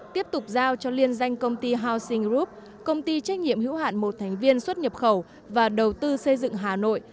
tiếp tục giao cho liên danh công ty housing group công ty trách nhiệm hữu hạn một thành viên xuất nhập khẩu và đầu tư xây dựng hà nội